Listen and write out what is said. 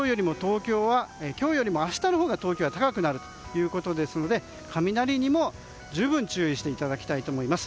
今日より明日のほうが東京は高くなるということですので雷にも十分注意していただきたいと思います。